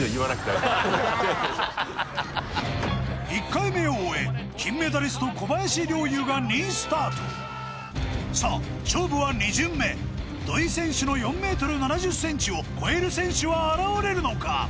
１回目を終え金メダリスト小林陵侑が２位スタートさあ勝負は２巡目土井選手の４ｍ７０ｃｍを超える選手は現れるのか？